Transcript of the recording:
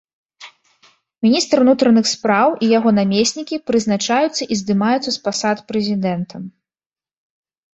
Міністр унутраных спраў і яго намеснікі прызначаюцца і здымаюцца з пасад прэзідэнтам.